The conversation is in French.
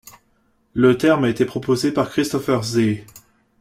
Le terme a été proposé par Christopher Hsee.